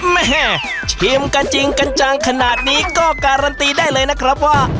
แม่ชิมกันจริงกันจังขนาดนี้ก็การันตีได้เลยนะครับว่า